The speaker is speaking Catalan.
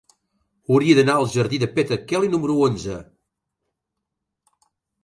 Hauria d'anar al jardí de Petra Kelly número onze.